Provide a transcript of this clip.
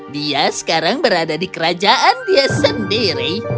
dia sekarang berada di kerajaan dia sendiri